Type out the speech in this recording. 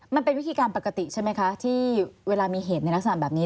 มันเป็นวิธีการปกติใช่ไหมคะที่เวลามีเหตุในลักษณะแบบนี้